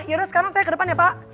yaudah sekarang saya ke depan ya pak